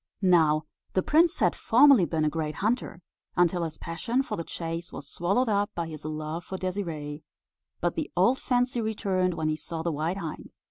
Now the prince had formerly been a great hunter, until his passion for the chase was swallowed up by his love for Désirée; but the old fancy returned when he saw the white hind.